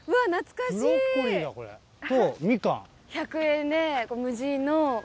１００円で無人の。